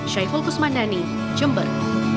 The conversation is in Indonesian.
syaiful kusmandani jember